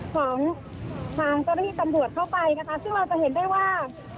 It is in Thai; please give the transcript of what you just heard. ของทางเจ้าหน้าที่ตำรวจเข้าไปนะคะซึ่งเราจะเห็นได้ว่า